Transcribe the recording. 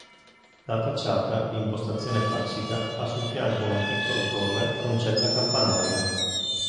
La facciata di impostazione classica ha sul fianco una piccola torre con cella campanaria.